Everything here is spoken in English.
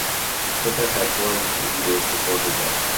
Pippa had four litters before her death.